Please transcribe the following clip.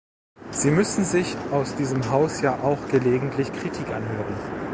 Sie müssen sich aus diesem Haus ja auch gelegentlich Kritik anhören.